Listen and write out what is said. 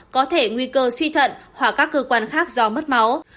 có thể nguy cơ suy thận hoặc các cơ quan khác do mất máu